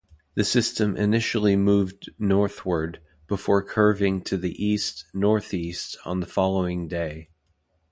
The system initially moved northward, before curving to the east-northeast on the following day.